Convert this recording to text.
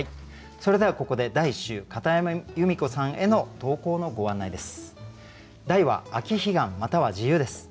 それではここで第１週片山由美子さんへの投稿のご案内です。